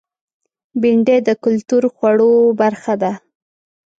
بېنډۍ د کلتور خوړو برخه ده